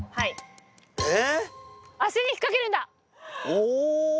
お！